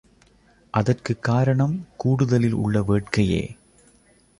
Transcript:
அதற்குக் காரணம் கூடுதலில் உள்ள வேட்கையே.